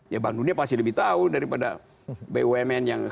ya bank dunia pasti lebih tahu daripada bumn yang